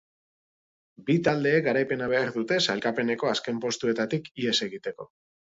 Bi taldeek garaipena behar dute sailkapeneko azken postuetatik ihes egiteko.